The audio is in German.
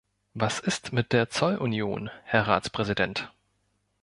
Was ist mit der Zollunion, Herr Ratspräsident?